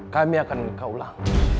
kami akan menikah ulang